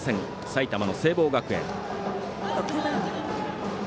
埼玉の聖望学園。